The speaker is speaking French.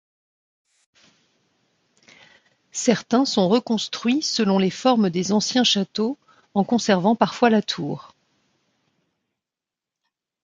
Certains sont reconstruits selon les formes des anciens châteaux, en conservant parfois la tour.